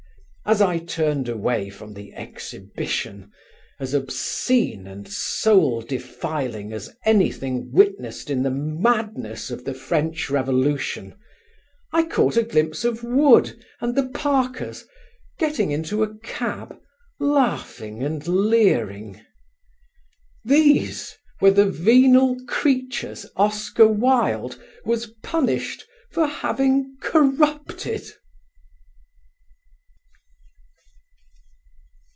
As I turned away from the exhibition, as obscene and soul defiling as anything witnessed in the madness of the French revolution, I caught a glimpse of Wood and the Parkers getting into a cab, laughing and leering. These were the venal creatures Oscar Wilde was punished for having corrupted!